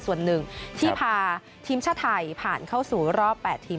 ส่วนหนึ่งที่พาทีมชาติไทยผ่านเข้าสู่รอบ๘ทีม